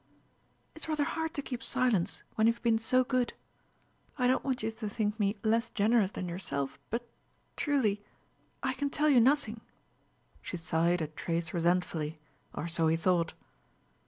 "It's rather hard to keep silence, when you've been so good. I don't want you to think me less generous than yourself, but, truly, I can tell you nothing." She sighed a trace resentfully; or so he thought.